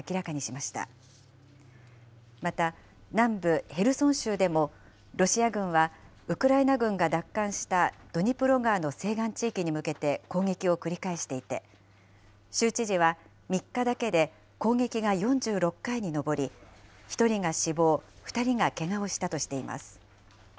また、南部ヘルソン州でもロシア軍はウクライナ軍が奪還したドニプロ川の西岸地域に向けて攻撃を繰り返していて、州知事は３日だけで攻撃が４６回に上り、１人が死亡、２人がけがをしたとしています。